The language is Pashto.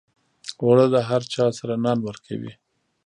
اوړه د هر چای سره نان ورکوي